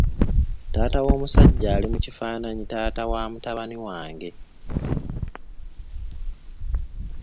Taata w'omusajja ali mu kifaananyi taata wa mutabani wange.